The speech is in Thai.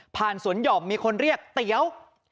สวนหย่อมมีคนเรียกเตี๋ยว